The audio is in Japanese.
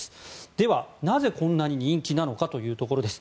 では、なぜこんなに人気なのかというところです。